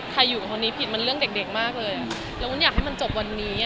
ใครอยู่กับเธอนี้ผิดมันเรื่องเด็กมากเลย